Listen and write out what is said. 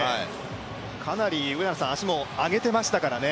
かなり足も上げていましたからね。